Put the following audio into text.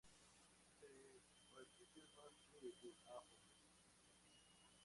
Te repites más que el ajo